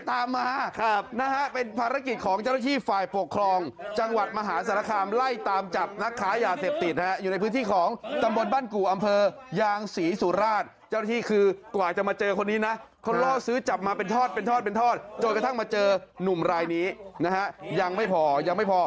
แต่ตอนนี้นะเขาเล่าซื้อจับมาเป็นทอดจนกระทั่งมาเจอนุ่มลายนี้นะฮะยังไม่พอ